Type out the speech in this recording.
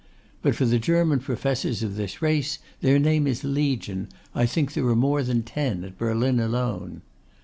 But for the German professors of this race, their name is Legion. I think there are more than ten at Berlin alone.